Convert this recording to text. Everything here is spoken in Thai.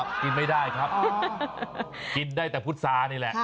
กินไม่ได้ครับกินได้แต่พุษานี่แหละ